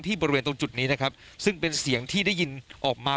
บริเวณตรงจุดนี้นะครับซึ่งเป็นเสียงที่ได้ยินออกมา